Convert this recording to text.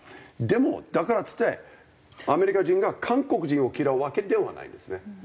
でもだからっつってアメリカ人が韓国人を嫌うわけではないんですね。